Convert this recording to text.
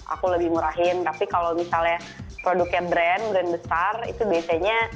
aku lebih murahin tapi kalau misalnya produknya brand brand besar itu biasanya